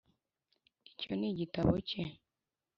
icyo ni igitabo cye.